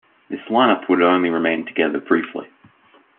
This line-up would only remain together briefly.